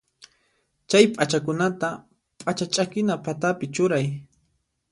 Chay p'achakunata p'acha ch'akina patapi churay.